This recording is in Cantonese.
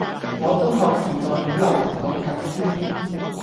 我中學時代好流行講核酸